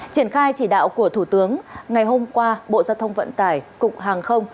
triển khai chỉ đạo của thủ tướng ngày hôm qua bộ giao thông vận tải cục hàng không